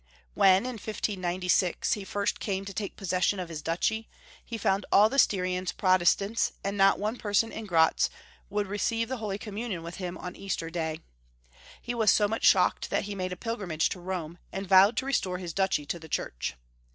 When, in 1596, he first came to take possession of his duchy, he found all the Styrians Protestants, and not one person in Griltz Matthias. 823 would receive the Holy Communion with him on Easte^ da3^ He was so much shocked that he made a pilgrimage to Rome, and vowed to restore his duchy to the Church.